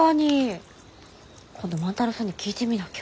今度万太郎さんに聞いてみなきゃ。